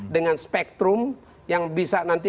dengan spektrum yang bisa nanti